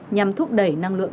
nhằm thúc đẩy năng lượng